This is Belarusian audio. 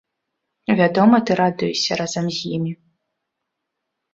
Вядома, ты радуешся разам з імі.